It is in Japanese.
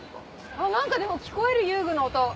あっ何かでも聞こえる遊具の音。